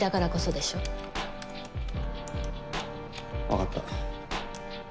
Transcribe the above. わかった。